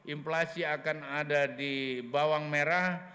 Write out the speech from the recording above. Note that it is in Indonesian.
inflasi akan ada di bawang merah